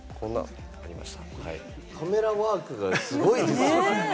カメラワークがすごいですよ。